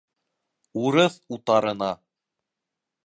Урыҫ утарына!